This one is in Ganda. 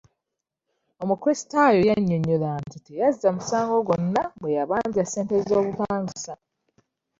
Omukulisitaayo yanyonyola nti teyazza musango gwonna bwe yabanja ssente z'obupangisa.